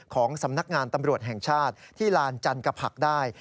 ของสำนักงานตำรวจแห่งชาติที่ลานจันกผักได้